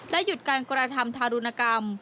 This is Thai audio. และหยุดการกรราธรรมธารุณกรรม